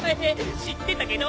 知ってたけど！